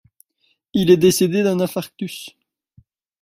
Il est décédé d'un infarctus.